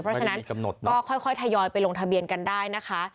เพราะฉะนั้นก็ค่อยทยอยไปลงทะเบียนกันได้นะคะ